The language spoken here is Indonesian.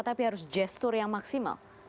tapi harus gestur yang maksimal